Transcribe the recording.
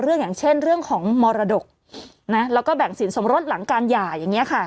อย่างเช่นเรื่องของมรดกแล้วก็แบ่งสินสมรสหลังการหย่าอย่างนี้ค่ะ